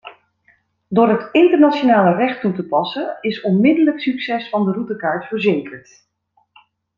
Door het internationale recht toe te passen, is onmiddellijk succes van de routekaart verzekerd.